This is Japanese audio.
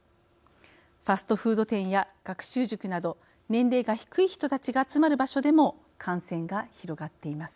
ファストフード店や学習塾など年齢が低い人たちが集まる場所でも感染が広がっています。